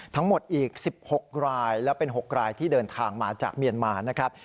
ทั้งหมดอีก๑๖รายและเป็น๖รายที่เดินทางมาจากเมียนมานะครับ